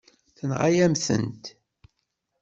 Tenɣa-yam-tent.